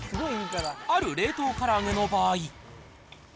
ある冷凍から揚げの場合。